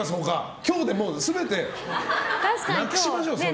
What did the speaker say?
今日でもう全てなくしましょう。